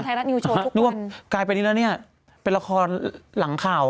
นึกว่ากลายเป็นแบบนี้แล้วเนี่ยเป็นละครหลังข่าว